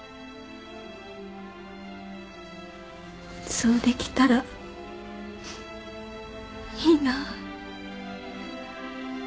そうできたらいいなぁ